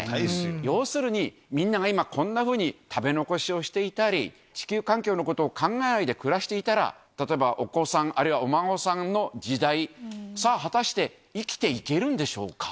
要するに、みんなが今、こんなふうに食べ残しをしていたり、地球環境のことを考えて暮らしていたら、例えば、お子さん、あるいはお孫さんの時代、さあ果たして、生きていけるんでしょうか。